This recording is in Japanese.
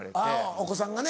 お子さんがね。